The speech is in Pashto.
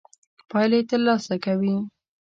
پايلې تر لاسه کوي.